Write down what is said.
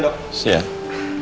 selamat siang dok